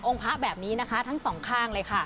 พระแบบนี้นะคะทั้งสองข้างเลยค่ะ